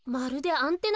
アンテナ？